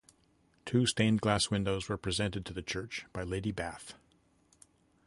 Two stained glass windows were presented to the church by Lady Bath.